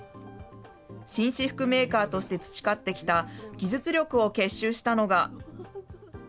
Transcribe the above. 紳士服メーカーとして培ってきた技術力を結集したのが。